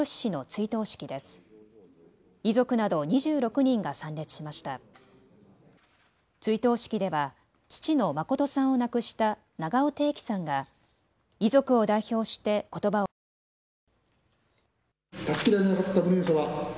追悼式では父の誠さんを亡くした永尾禎規さんが遺族を代表してことばを述べました。